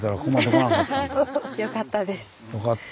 よかったです。